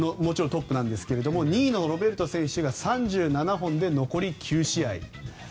トップですが２位のロベルト選手が３７本で残り９試合。